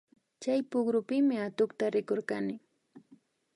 Chay pukrupimi atukta rikurkani